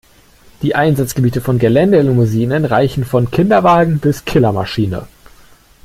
Die Einsatzgebiete von Geländelimousinen reichen von Kinderwagen bis Killermaschine.